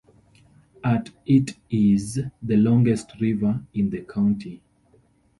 At it is the longest river in the county.